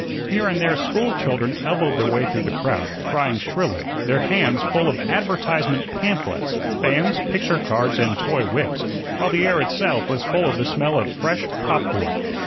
Here and there school children elbowed their way through the crowd, crying shrilly, their hands full of advertisement pamphlets, fans, picture cards, and toy whips, while the air itself was full of the smell of fresh popcorn.